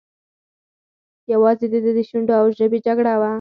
یوازې د ده د شونډو او ژبې جګړه وه.